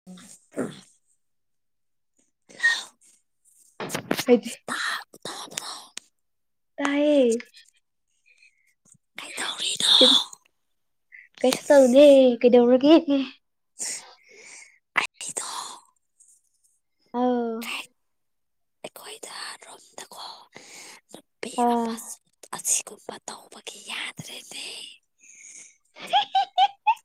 [unintelligible] ꯍꯥꯏꯗꯤ ꯇꯥꯕ꯭ꯔꯣ ꯇꯥꯏꯌꯦ ꯀꯩꯗꯧꯔꯤꯅꯣ ꯀꯩꯁꯨ ꯇꯧꯗꯦ ꯀꯩꯗꯧꯔꯒꯦ ꯑꯩꯗꯣ ꯑꯧ ꯍꯦꯛ ꯑꯩꯈꯣꯏꯗ ꯔꯨꯝꯗꯀꯣ ꯅꯨꯄꯤ ꯄꯥ ꯑꯃ ꯑꯁꯤꯒꯨꯝꯕ ꯇꯧꯕꯒꯤ ꯌꯥꯗ꯭ꯔꯦꯅꯦ ꯍꯤ ꯍꯤ ꯍꯤ ꯍꯤ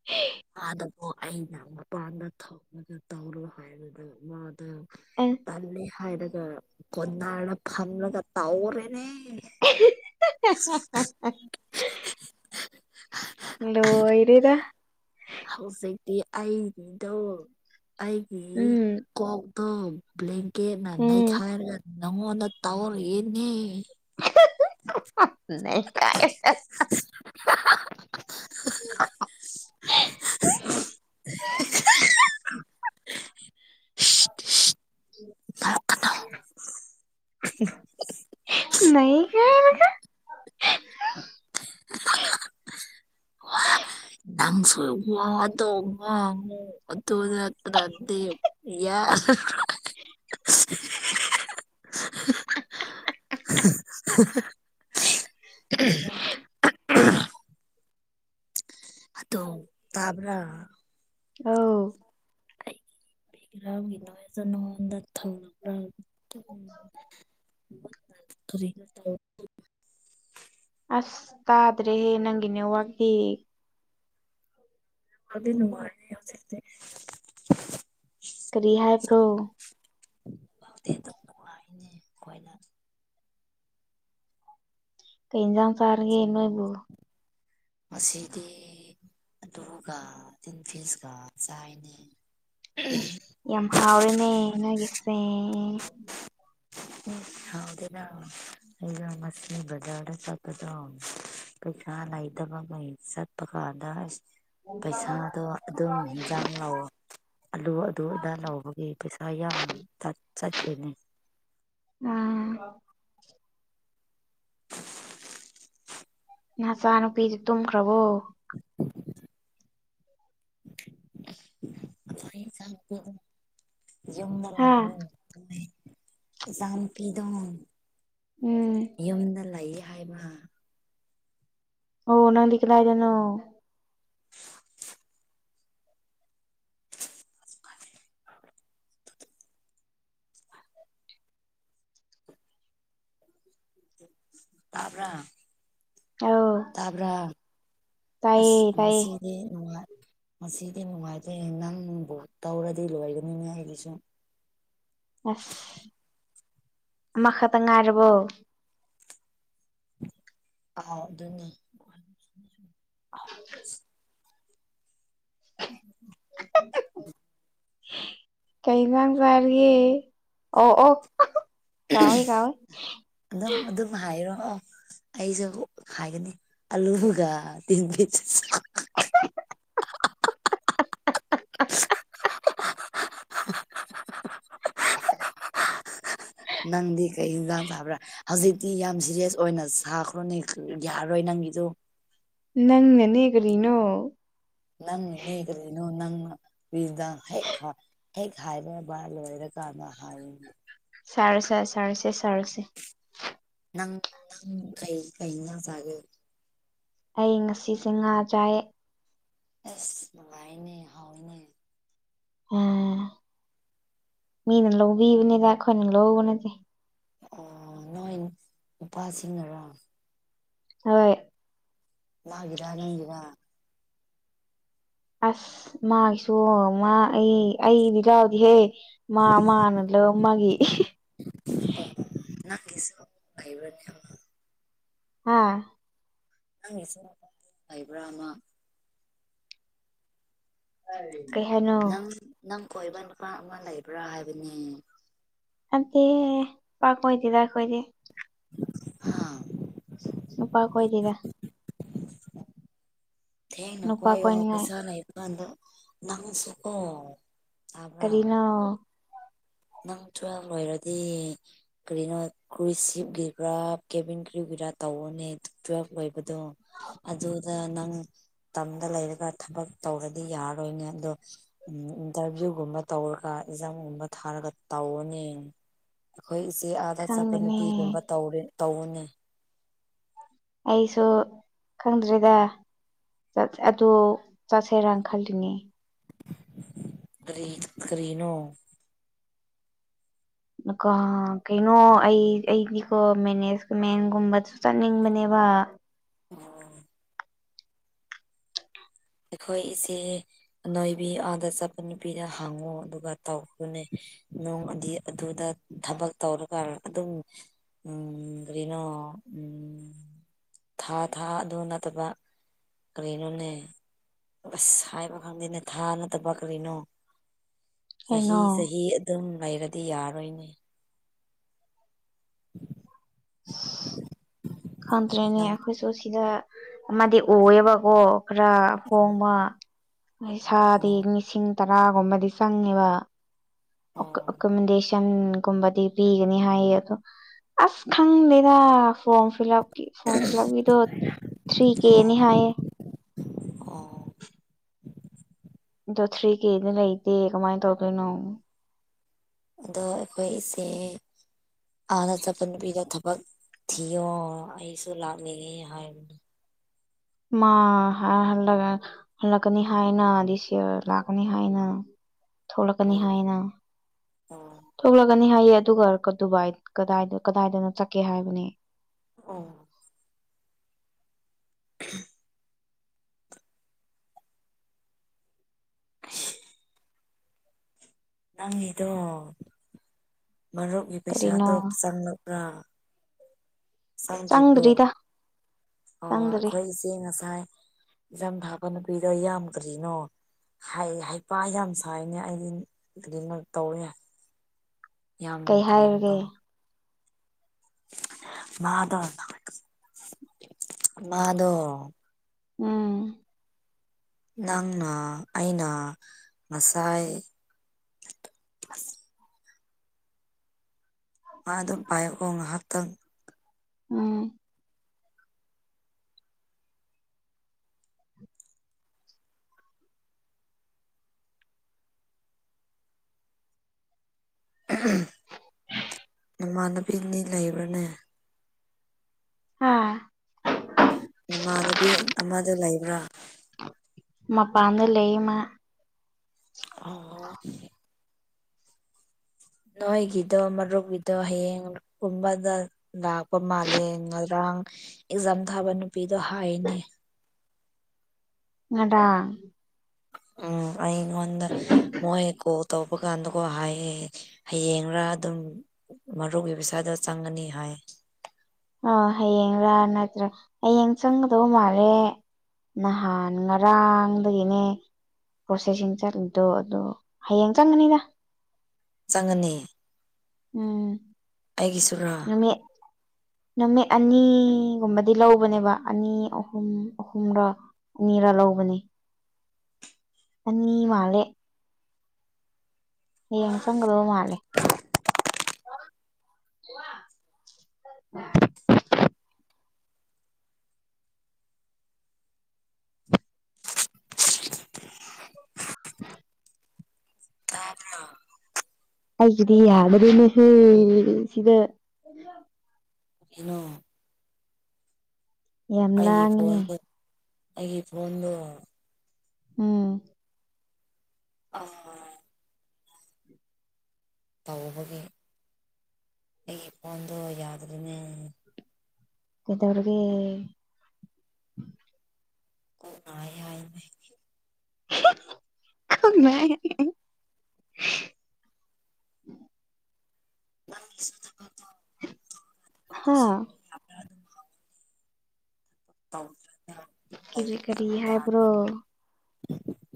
[unintelligible] ꯑꯥꯗꯕꯨ ꯑꯩꯅ ꯃꯄꯥꯟꯗ ꯊꯣꯛꯔꯒ ꯇꯧꯔꯣ ꯍꯥꯏꯕꯗꯣ ꯃꯥꯗꯣ ꯎꯝ ꯇꯜꯂꯤ ꯍꯥꯏꯔꯒ ꯀꯣꯟꯅꯔ ꯐꯝꯂꯒ ꯇꯧꯔꯦꯅꯦ [unintelligible] ꯂꯣꯏꯔꯦꯗ ꯍꯧꯖꯤꯛꯇꯤ ꯑꯩꯒꯤꯗꯣ ꯑꯩꯒꯤ ꯎꯝ ꯀꯣꯛꯇꯣ ꯕ꯭ꯂꯦꯡꯀꯦꯠꯅ ꯎꯝ ꯅꯩꯈꯥꯏꯔꯒ ꯅꯪꯉꯣꯟꯗ ꯇꯧꯔꯛꯑꯦꯅꯦ [unintelligible] [inaudible] [unintelligible] [unintelligible] [unintelligible] [inaudible] ꯅꯣꯛꯀꯅꯣ [unintelligible] ꯅꯩꯒꯦ ꯍꯥꯏꯔꯒ [unintelligible] ꯅꯪꯁꯨ ꯋꯥꯗꯣ ꯉꯥꯡꯉꯣ ꯑꯗꯨ ꯅꯠꯇ꯭ꯔꯗꯤ ꯌꯥꯔꯔꯣꯏ [unintelligible] [unintelligible] [unintelligible] ꯑꯗꯣ ꯇꯥꯕ꯭ꯔꯥ ꯑꯧ ꯑꯩ ꯒ꯭ꯔꯥꯎꯟꯒꯤ ꯅꯣꯏꯗ ꯅꯪꯉꯣꯟꯗ ꯊꯧ [unintelligible] [unintelligible] ꯑꯁ ꯇꯥꯗ꯭ꯔꯦꯍꯦ ꯅꯪꯒꯤ ꯅꯦꯠꯋꯥꯛꯗꯤ ꯑꯗꯨ ꯅꯨꯡꯉꯥꯏꯔꯦ ꯍꯧꯖꯤꯛꯇꯤ ꯀꯔꯤ ꯍꯥꯏꯕ꯭ꯔꯣ ꯍꯧꯗꯤ ꯑꯗꯨꯝ ꯅꯨꯡꯉꯥꯏꯅꯤ ꯑꯈꯣꯏꯅ ꯀꯩ ꯏꯟꯖꯥꯡ ꯆꯥꯔꯒꯦ ꯅꯣꯏꯕꯨ ꯉꯁꯤꯗꯤ ꯑꯗꯨꯒ ꯇꯤꯟ ꯐꯤꯁꯀ ꯆꯥꯏꯅꯦ ꯌꯥꯝ ꯍꯥꯎꯔꯦꯅꯦ ꯅꯣꯏꯒꯤꯁꯦ ꯎ ꯍꯗꯅ ꯑꯩꯗꯣ ꯉꯁꯥ ꯕꯖꯥꯔꯗ ꯆꯠꯄꯗꯣ ꯄꯩꯁꯥ ꯂꯩꯇꯕꯒꯤ ꯆꯠꯄ ꯀꯥꯟꯗ ꯑꯁ ꯄꯩꯁꯥꯗꯣ ꯑꯗꯨꯝ ꯏꯟꯖꯥꯡ ꯂꯧꯔꯣ ꯑꯂꯨ ꯑꯗꯨ ꯑꯗꯥ ꯂꯧꯕꯒꯤ ꯄꯩꯁꯥ ꯌꯥꯝ ꯆꯠꯈ꯭ꯔꯤꯅꯦ ꯑꯥ ꯅꯆꯥ ꯅꯨꯄꯤꯗꯤ ꯇꯨꯝꯈ꯭ꯔꯕꯣ [unintelligible] ꯈꯣꯏ ꯏꯆꯥꯅꯨꯄꯥ ꯌꯨꯝꯗ ꯍꯥ ꯂꯩꯥꯏ ꯏꯆꯥ ꯅꯨꯄꯤꯗꯣ ꯎꯝ ꯌꯨꯝꯗ ꯂꯩꯌꯦ ꯍꯥꯏꯕ ꯑꯣ ꯅꯪꯗꯤ ꯀꯗꯥꯏꯗꯅꯣ [unintelligible] ꯇꯥꯕ꯭ꯔ ꯑꯧ ꯇꯥꯕ꯭ꯔ ꯇꯥꯏꯌꯦ ꯑꯁ ꯇꯥꯏꯌꯦ ꯃꯁꯤꯗꯤ ꯅꯨꯡꯉꯥꯏ ꯉꯁꯤꯗꯤ ꯅꯨꯡꯉꯥꯏꯖꯩ ꯅꯪꯕꯨ ꯇꯧꯔꯗꯤ ꯂꯣꯏꯒꯅꯤꯅꯦ ꯑꯩꯒꯤꯁꯨ ꯑꯁ ꯑꯃꯈꯛꯇꯪ ꯉꯥꯏꯔꯕꯣ ꯑꯥꯍꯥꯎꯕꯗꯨꯅꯤ [inaudible] [unintelligible] ꯀꯩ ꯏꯟꯁꯥꯡ ꯆꯥꯔꯤꯒꯦ ꯑꯣ ꯑꯣ ꯀꯥꯎꯏ ꯀꯥꯎꯏ ꯑꯗꯨꯝ ꯑꯗꯨꯝ ꯍꯥꯏꯔꯛꯑꯣ ꯑꯩꯁꯨ ꯍꯥꯏꯒꯅꯤ ꯑꯂꯨꯗꯨꯒ ꯇꯤꯟ ꯐꯤꯁ [unintelligible] [unintelligible] ꯅꯪꯗꯤ ꯀꯩ ꯏꯟꯁꯥꯡ ꯆꯥꯕ꯭ꯔ ꯍꯧꯖꯤꯛꯇꯤ ꯌꯥꯝ ꯁꯤꯔꯤꯌꯁ ꯑꯣꯏꯅ ꯁꯥꯈ꯭ꯔꯣꯅꯦ ꯌꯥꯔꯔꯣꯏ ꯅꯪꯒꯤꯗꯣ ꯅꯪꯅꯅꯦ ꯀꯔꯤꯅꯣ ꯅꯪꯅꯅꯦ ꯀꯔꯤꯅꯣ ꯅꯪꯅ [unintelligible] ꯍꯦꯛ ꯍꯥꯏꯔꯕ ꯂꯣꯏꯔꯀꯥꯟꯗ ꯍꯥꯏꯕꯕꯨ ꯁꯥꯔꯁꯦ ꯁꯥꯔꯁꯤ ꯁꯥꯔꯁꯤ ꯅꯪ ꯅꯪ ꯀꯩ ꯀꯩ ꯏꯟꯖꯥꯡ ꯆꯥꯒꯦ ꯑꯩ ꯉꯁꯤꯁꯦ ꯉꯥ ꯆꯥꯏ ꯑꯁ ꯅꯨꯡꯉꯥꯏꯅꯦ ꯍꯥꯎꯏꯅꯦ ꯑ ꯃꯤꯅ ꯂꯧꯕꯤꯕꯅꯤꯕ ꯑꯩꯈꯣꯏꯅ ꯂꯧꯕ ꯅꯠꯇꯦ ꯑꯣ ꯅꯣꯏ ꯅꯨꯄꯥꯁꯤꯡꯅꯔꯥ ꯍꯣꯏ ꯃꯥꯒꯤꯔꯥ ꯅꯪꯒꯤꯔꯥ ꯑꯁ ꯃꯥꯒꯤꯁꯨ ꯃꯥ ꯑꯩ ꯑꯩꯗꯤ ꯌꯥꯎꯗꯤꯍꯦ ꯃꯥ ꯃꯥꯅ ꯂꯧ ꯃꯥꯒꯤ [unintelligible] ꯍꯥꯥ ꯅꯪꯒꯤꯁꯨ ꯂꯩꯕ꯭ꯔꯥ ꯑꯃ ꯀꯩ ꯍꯥꯏꯅꯣ ꯅꯪ ꯅꯪ ꯀꯣꯏꯕ ꯅꯨꯄꯥ ꯑꯃ ꯂꯩꯕ꯭ꯔꯥ ꯍꯥꯏꯕꯅꯦ꯫ [unintelligible] ꯅꯨꯄꯥ ꯀꯣꯏꯗꯦꯗꯥ ꯑꯩꯈꯣꯏꯗꯤ ꯍꯥꯥ ꯅꯨꯄꯥ ꯀꯣꯏꯗꯦꯗ ꯊꯦꯡꯡꯅ ꯅꯨꯄꯥ ꯀꯣꯏꯌꯣ ꯀꯣꯏꯅꯤꯡꯉꯥꯏ ꯄꯩꯁꯥ ꯂꯩꯕꯀꯥꯟ ꯅꯪꯁꯨꯀꯣ ꯇꯥꯕ꯭ꯔꯥ ꯀꯔꯤꯅꯣ ꯅꯪ ꯇꯨꯋꯦꯜꯕ ꯂꯣꯏꯔꯗꯤ ꯀꯔꯤꯅꯣ ꯀꯨꯁꯤꯞꯒꯤꯒꯔꯥ ꯀꯦꯚꯤꯟ ꯀ꯭ꯔꯨꯒꯤꯔꯥ ꯇꯧꯑꯣꯅꯦ ꯇꯨꯋꯦꯜꯐ ꯂꯣꯏꯕꯗꯣ ꯑꯗꯨꯗ ꯅꯪ ꯇꯝꯗ ꯂꯩꯔꯒ ꯊꯕꯛ ꯇꯧꯔꯗꯤ ꯌꯥꯔꯔꯣꯏꯅꯦ ꯑꯗꯣ ꯎꯝ ꯏꯟꯇꯔꯚꯤꯌꯨꯒꯨꯝꯕ ꯇꯧꯔꯒ ꯑꯦꯛꯖꯥꯝꯒꯨꯝꯕ ꯊꯥꯔꯒ ꯇꯧꯑꯣꯅꯦ ꯑꯩꯈꯣꯏ ꯏꯆꯦ ꯑꯥꯗ ꯆꯠꯄ ꯈꯪꯗꯦꯅꯦ ꯅꯨꯄꯤꯒꯨꯝꯕ ꯇꯧꯔꯦ ꯇꯧꯅꯤ ꯑꯩꯁꯨ ꯈꯪꯗ꯭꯭ꯔꯔꯤꯗ ꯑꯗꯨꯗ ꯆꯠꯁꯦꯔꯥꯟꯅ ꯈꯜꯂꯤꯅꯦ ꯀꯔꯤꯅꯣ ꯀꯣ ꯀꯩꯅꯣ ꯑꯩ ꯑꯩꯗꯤꯀꯣ ꯃꯦꯅꯦꯖꯃꯦꯟꯒꯨꯝꯕꯁꯨ ꯆꯠꯅꯤꯡꯕꯅꯦꯕ ꯑꯣ ꯑꯩꯈꯣꯏ ꯏꯆꯦ ꯅꯅꯣꯏꯕꯤ ꯑꯥꯗ ꯆꯠꯄ ꯅꯨꯄꯤꯗ ꯍꯥꯡꯉꯨ ꯑꯗꯨꯒ ꯇꯧꯈꯅꯦ ꯅꯣꯡ ꯑꯗꯤ ꯑꯗꯨꯗ ꯊꯕꯛ ꯇꯧꯔꯒ ꯑꯗꯨꯝ ꯎꯝ ꯀꯔꯤꯅꯣ ꯎꯝ ꯊꯥ ꯊꯥ ꯑꯗꯨ ꯅꯠꯇꯕ ꯀꯅꯅꯦ ꯑꯁ ꯍꯥꯏꯕ ꯈꯪꯗꯦꯅꯦ ꯊꯥꯅꯠꯇ ꯄꯛꯈ꯭ꯔꯤꯅꯣ ꯆꯍꯤ ꯀꯩꯅꯣ ꯆꯍꯤ ꯑꯗꯨꯝ ꯂꯩꯔꯗꯤ ꯌꯥꯔꯣꯏꯅꯦ ꯈꯪꯗ꯭ꯔꯦꯅꯦ ꯅꯪ ꯑꯩꯈꯣꯏꯁꯨ ꯁꯤꯗ ꯑꯃꯗꯤ ꯑꯣꯏꯌꯦꯕꯀꯣ ꯈꯔ ꯎꯝ ꯍꯣꯡꯕ ꯏꯁꯥꯗꯤ ꯑꯣ ꯂꯤꯁꯤꯡ ꯇꯔꯥꯒꯨꯝꯕꯗꯤ ꯆꯪꯉꯦꯕ ꯑꯣ ꯑꯣꯀ ꯃ ꯒꯨꯝꯕꯗꯤ ꯄꯤꯒꯅꯤ ꯍꯥꯏꯌꯦ ꯑꯗꯣ ꯑꯁ ꯈꯪꯗꯦꯗ form fill up form fill ꯑꯞꯀꯤꯗꯣ ꯊ꯭ꯔꯤ ꯀꯦꯅꯤ ꯑꯣ ꯍꯥꯏꯌꯦ ꯑꯣ ꯑꯗꯣ ꯊ꯭ꯔꯤ ꯀꯦꯗ ꯂꯩꯇꯦ ꯀꯃꯥꯏꯅ ꯇꯧꯗꯣꯏꯅꯣ ꯑꯗꯣ ꯑꯩꯈꯣꯏ ꯏꯁꯦ ꯍꯥꯟꯅ ꯆꯄ ꯅꯨꯕꯤꯗ ꯊꯕꯛ ꯊꯤꯌꯣ ꯑꯩꯁꯨ ꯂꯥꯛꯅꯤꯡꯉꯦ ꯍꯥꯏꯕꯗ ꯃꯥ ꯍꯜꯂꯒ ꯍꯜꯂꯛꯀꯅꯤ ꯍꯥꯏꯅ ꯗꯤꯁ ꯌꯔ ꯂꯥꯛꯀꯅꯤ ꯍꯥꯏꯅ ꯊꯣꯛꯂꯛꯀꯅꯤ ꯎꯝ ꯍꯥꯏꯅ ꯎꯝ ꯊꯣꯛꯂꯒꯅꯤ ꯍꯥꯏꯌꯦ ꯑꯗꯨꯒ ꯗꯨꯕꯥꯏ ꯀꯗꯥꯏꯗ ꯀꯗꯥꯏꯗꯅ ꯆꯠꯀꯦ ꯍꯥꯏꯕꯅꯦ ꯑꯣ ꯅꯪꯒꯤꯗꯣ ꯃꯔꯨꯞꯀꯤ ꯀꯔꯤꯅꯣ ꯄꯩꯁꯥꯗꯣ ꯆꯪꯂꯛꯄ꯭ꯔꯥ ꯆꯪꯗ꯭ꯔꯤꯕ꯭ꯔꯣ ꯆꯪꯗ꯭ꯔꯤꯗ ꯆꯪꯗ꯭ꯔꯤ ꯑꯩꯈꯣꯏꯁꯦ ꯉꯁꯥꯏ ꯏ ꯊꯥꯛꯀ ꯅꯨꯄꯤꯗꯣ ꯌꯥꯝꯗ꯭ꯔꯤꯅꯣ ꯍꯥꯏ ꯍꯩꯄꯥ ꯌꯥꯝ ꯁꯥꯏꯅꯦ ꯑꯩꯗꯤ ꯑꯗꯨꯗꯤꯃꯛ ꯇꯧꯋꯦ ꯌꯥꯝ ꯀꯩ ꯉꯅꯨꯡ ꯀ꯭ꯔꯦꯅꯗꯣ ꯍꯥꯏꯔꯒꯦ ꯃꯥꯗꯣꯟ ꯃꯥꯗꯣ ꯎꯝ ꯅꯪꯅ ꯑꯩꯅ ꯉꯁꯥꯏ ꯃꯥ ꯑꯗꯨꯝ ꯄꯥꯏꯌꯛꯑꯣꯣ ꯉꯥꯏꯍꯥꯛꯇꯪ ꯎꯝ ꯏꯃꯥꯟꯅꯕꯤꯅꯤ ꯂꯩꯕ꯭ꯔꯅꯦ ꯍꯥꯥ ꯏꯃꯥꯟꯅꯕꯤ ꯑꯃꯗ ꯂꯩꯕ꯭ꯔꯥ ꯃ ꯄꯥꯟꯝꯗ ꯂꯩꯃ ꯑꯣ ꯅꯣꯏꯒꯗꯣ ꯃꯔꯒꯗꯣ ꯍꯌꯦꯡ ꯀꯨꯝꯕꯗ ꯂꯥꯛꯄ ꯃꯥꯜꯂꯦ ꯉꯔꯥꯡ ꯑꯦꯛꯖꯥꯝ ꯊꯥꯕ ꯅꯨꯄꯤꯗꯣ ꯍꯥꯏꯅꯦ ꯉꯗꯥ ꯎꯝ ꯑꯩꯩꯉꯣꯟꯗ ꯃꯣꯏ ꯀꯣꯜ ꯇꯧꯕꯀꯥꯟꯗꯀꯣ ꯍꯥꯏꯌꯦ ꯍꯌꯦꯡꯔꯥ ꯑꯗꯨꯝ ꯃꯔꯨꯞꯒꯤ ꯄꯩꯁꯥꯗꯣ ꯆꯪꯉꯅꯤ ꯍꯥꯏ ꯑꯣ ꯍꯌꯦꯡꯔꯥ ꯅꯠꯇ꯭ꯔꯥ ꯍꯌꯦꯡ ꯆꯪꯒꯗꯧ ꯃꯥꯜꯂꯦ ꯅꯍꯥꯟ ꯉꯔꯥꯡꯗꯒꯤꯅꯦ ꯄ꯭ꯔꯣꯁꯦꯁꯁꯤꯡ ꯆꯠꯂꯤꯗꯣ ꯑꯗꯣ ꯍꯌꯦꯡ ꯆꯪꯒꯅꯤꯗ ꯆꯪꯒꯅꯤ ꯎꯝ ꯑꯩꯒꯤꯁꯨꯨꯔꯣ ꯅꯨꯃꯤꯠ ꯅꯨꯃꯤꯠ ꯑꯅꯤꯒꯨꯝꯕꯗꯤ ꯂꯧꯕꯅꯦꯕ ꯑꯅꯤ ꯑꯍꯨꯝ ꯑꯍꯨꯝꯔꯣ ꯑꯅꯤꯔꯥ ꯂꯧꯕꯅꯦ ꯑꯅꯤ ꯃꯥꯜꯂꯦ ꯍꯌꯦꯡ ꯆꯪꯒꯗꯕ ꯃꯥꯜꯂꯦ [unintelligible] [unintelligible] ꯇꯥꯕ꯭ꯔꯣ ꯑꯩꯒꯤꯗꯤ ꯌꯥꯒꯗꯦꯅꯦꯍꯦ ꯁꯤꯗꯥ ꯅꯣ ꯌꯥꯝ ꯑꯩꯒꯤ ꯂꯥꯡꯉꯤꯅꯦ ꯐꯣꯟꯗꯣ ꯑꯩꯒꯤ ꯐꯣꯟꯗꯣ ꯎꯝ ꯑꯥ ꯇꯧꯔꯨꯕꯒꯤ ꯑꯩꯒꯤ ꯐꯣꯟꯗꯣ ꯌꯥꯗ꯭ꯔꯦꯅꯦ ꯀꯩꯗꯧꯔꯒꯦ ꯀꯣꯛ ꯅꯥꯏ ꯍꯥꯏꯕꯅꯦ [unintelligible] [unintelligible] ꯍꯥꯥ [unintelligible] ꯀꯦꯖꯤ ꯂꯩꯕꯅꯤ ꯀꯔꯤ ꯍꯥꯏꯕ꯭ꯔꯣ ꯌꯥꯔꯣꯏ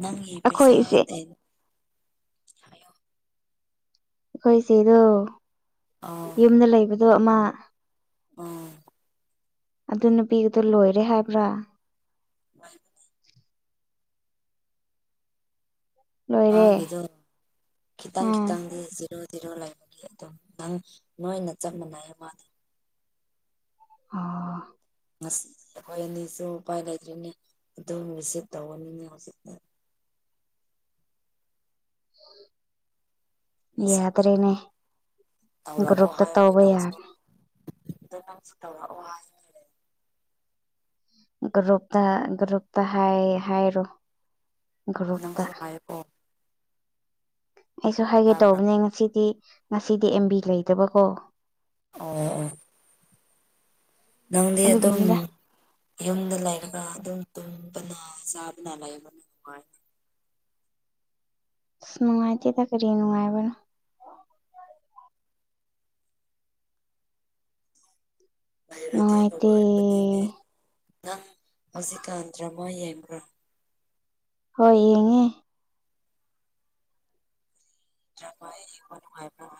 ꯅꯪꯒꯤ ꯑꯩꯈꯣꯏ ꯄꯩꯁꯥ ꯏꯆꯦ [unintelligible] ꯍꯥꯏꯌꯣ ꯑꯩꯈꯣꯏ ꯏꯁꯦꯗꯣ ꯌꯨꯝꯗ ꯂꯩꯕꯗꯣ ꯑꯃ ꯑꯣ ꯑꯗꯨ ꯅꯨꯄꯤꯒꯗꯣ ꯂꯣꯏꯔꯦ ꯍꯥꯏꯕ꯭ꯔꯥ [unintelligible] ꯂꯣꯏꯔꯦ ꯃꯥꯒꯤꯗꯣ ꯈꯤꯇꯪ ꯑꯥ ꯈꯤꯇꯪꯗꯤ [unintelligible] [unintelligible] ꯂꯩꯕꯒꯤ ꯑꯗꯨꯝ ꯅꯪ ꯅꯣꯏꯅ ꯆꯞ ꯃꯥꯟꯅꯩ [unintelligible] ꯑꯣ ꯑꯁ ꯑꯩꯈꯣꯏ ꯑꯅꯤꯁꯨ ꯎꯄꯥꯏ ꯂꯩꯇ꯭ꯔꯤꯅꯦ ꯑꯗꯨꯝ ꯔꯤꯁꯤꯞ ꯇꯧꯒꯅꯤꯅꯦ ꯍꯧꯖꯤꯛꯇꯥ ꯃꯤꯁꯤꯡꯗꯀꯣ ꯌꯥꯗ꯭ꯔꯦꯅꯦ ꯇꯧꯔꯛꯑꯣ ꯒ꯭ꯔꯨꯞꯇ ꯇꯧꯕ ꯌꯥꯔꯦ ꯍꯤꯏꯒꯗꯧꯁꯨ ꯑꯗꯨ ꯅꯪꯁꯨ ꯇꯧꯔꯛꯑꯣ ꯍꯥꯏꯌꯨ ꯒꯨꯔꯨꯞꯇ ꯒꯨꯔꯨꯞꯇ ꯍꯥꯏ ꯍꯥꯏꯔꯣ ꯒ꯭ꯔꯨꯞꯇ ꯅꯪꯁꯨ ꯍꯥꯏꯀꯣ ꯑꯩꯁꯨ ꯍꯥꯏꯒꯦ ꯇꯥꯕ꯭ꯔꯥ ꯇꯧꯕꯅꯦ ꯉꯁꯤꯗꯤ ꯉꯁꯤꯗꯤ ꯑꯦꯝ ꯕꯤ ꯂꯩꯇꯕꯀꯣ ꯑꯣ ꯑꯣ ꯅꯪꯗ ꯑꯗꯨꯝ ꯑꯗꯨꯒꯤꯅꯤꯗ ꯌꯨꯝꯗ ꯂꯩꯔꯒ ꯑꯗꯨꯝ ꯇꯨꯝꯕꯅ ꯆꯥꯕꯅ ꯂꯩꯕꯅ ꯅꯨꯡꯉꯥꯏ ꯅꯨꯡꯉꯥꯏꯇꯦꯗ ꯀꯔꯤ ꯅꯨꯡꯉꯥꯏꯕꯔꯥ ꯂꯩꯔꯗꯤ ꯅꯨꯡꯉꯥꯏꯇꯦ ꯅꯨꯡꯉꯥꯏꯕꯅꯤꯅꯦ ꯅꯪ ꯍꯧꯖꯤꯛꯀꯥꯟ ꯗ꯭ꯔꯥꯃ ꯌꯦꯡꯕ꯭ꯔꯥ ꯍꯣꯏ ꯌꯦꯡꯉꯦ ꯗ꯭ꯔꯥꯃꯥ ꯌꯦꯡꯕ ꯅꯨꯡꯉꯥꯏꯕꯔꯥ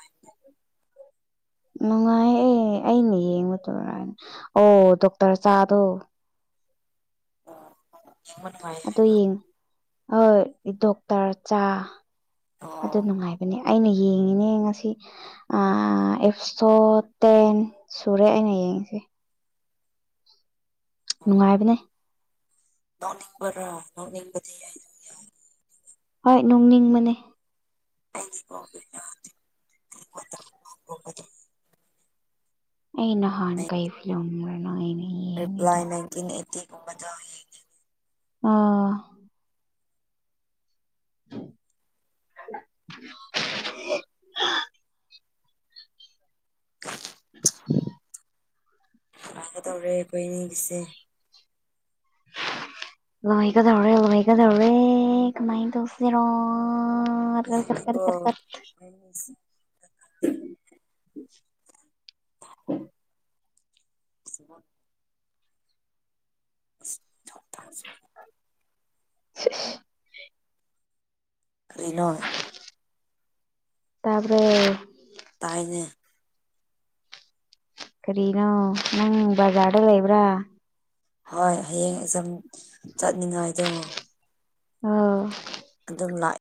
ꯅꯨꯡꯉꯥꯏ ꯑꯦ ꯑꯩꯅ ꯌꯦꯡꯕꯗꯨꯔꯟ ꯑꯣ ꯗꯣꯛꯇꯔ ꯆꯥꯗꯣ ꯌꯦꯡꯕꯥ ꯅꯨꯉꯥꯏ ꯑꯗꯨ ꯌꯦꯡꯉꯨ ꯍꯣꯏ ꯗꯣꯛꯇꯔ ꯆꯥ ꯑꯣ ꯑꯗꯨ ꯅꯨꯡꯉꯥꯏꯕ ꯑꯩꯅ ꯌꯦꯡꯉꯤꯅꯦ ꯉꯁꯤ ꯑꯥ ꯑꯦꯞꯁꯣ ꯇꯦꯟ ꯁꯨꯔꯦ ꯑꯩꯅ ꯌꯦꯡꯉꯤꯁꯦ ꯅꯨꯡꯉꯥꯏꯕꯅꯦ ꯅꯣꯛꯅꯤꯡꯕꯔꯣ ꯅꯣꯛꯅꯤꯡꯕꯗꯤ ꯑꯩ ꯍꯣꯏ ꯅꯣꯛꯅꯤꯡꯕꯅꯦ [unintelligible] ꯑꯩ ꯅꯍꯥꯟ ꯀꯩ ꯐꯤꯂꯝꯔ ꯅꯣꯏꯅꯦ ꯔꯤꯄ꯭ꯂꯥꯏ ꯅꯥꯏꯟꯇꯤꯟ ꯑꯩꯠꯇꯤ ꯒꯨꯝꯕꯗ ꯌꯦ ꯑꯥ [unintelligible] [unintelligible] [unintelligible] ꯒꯗꯧꯔꯦ ꯑꯩꯈꯣꯏ ꯑꯅꯤ ꯒꯤꯁꯦ ꯂꯣꯏꯒꯗꯧꯔꯦ ꯂꯣꯏꯒꯗꯧꯔꯦ ꯀꯃꯥꯏꯅ ꯇꯧꯁꯤꯔꯣ ꯍꯧꯖꯤꯛꯇꯤꯀꯣ [unintelligible] [unintelligible] [unintelligible] [unintelligible] [unintelligible] ꯀꯔꯤꯅꯣ ꯇꯕ꯭ꯔꯣ ꯇꯥꯏꯅꯦ ꯀꯔꯤꯅꯣ ꯅꯪ ꯕꯖꯥꯔꯗ ꯂꯩꯕ꯭ꯔꯥ ꯍꯣꯏ ꯍꯌꯦꯡ ꯑꯦꯛꯖꯝ ꯆꯠꯅꯤꯡꯉꯥꯏꯗꯣ ꯑꯣ ꯑꯗꯨꯝ ꯂꯥꯛ